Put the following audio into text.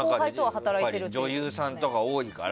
女優さんとか多いから。